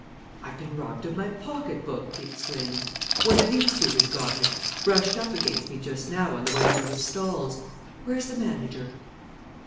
"I've been robbed of my pocketbook!" he exclaimed. "One of these two has got it brushed up against me just now on the way out of the stalls. Where's the manager?"